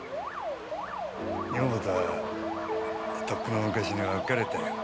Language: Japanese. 女房とはとっくの昔に別れたよ。